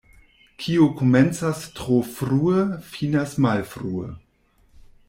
Kiu komencas tro frue, finas malfrue.